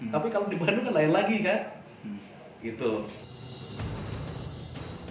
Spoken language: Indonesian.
tapi kalau di bandung kan lain lagi kan gitu